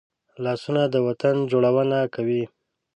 لاسونه د وطن جوړونه کوي